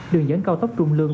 đường dẫn cao tốc trung lương